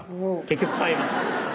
結局買いました